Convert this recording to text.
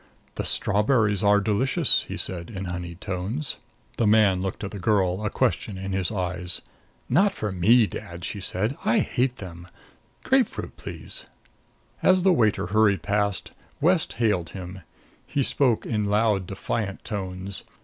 "The strawberries are delicious," he said in honeyed tones. The man looked at the girl, a question in his eyes. "Not for me, dad," she said. "I hate them! Grapefruit, please." As the waiter hurried past, West hailed him. He spoke in loud defiant tones.